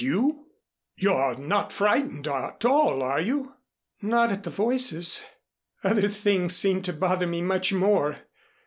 "Did you? You're not frightened at all, are you?" "Not at the voices. Other things seem to bother me much more.